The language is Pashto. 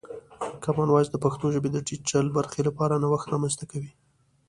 کامن وایس د پښتو ژبې د ډیجیټل برخې لپاره نوښت رامنځته کوي.